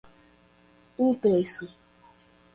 impressa